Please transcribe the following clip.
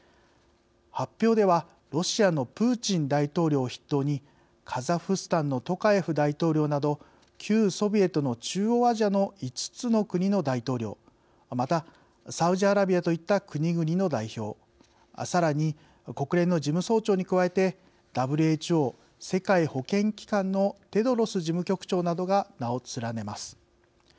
発表ではロシアのプーチン大統領を筆頭にカザフスタンのトカエフ大統領など旧ソビエトの中央アジアの５つの国の大統領またサウジアラビアといった国々の代表、さらに国連の事務総長に加えてＷＨＯ＝世界保健機関のテドロス事務局長などが名を連ねます。